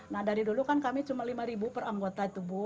nah dari dulu kan kami cuma lima ribu per anggota itu bu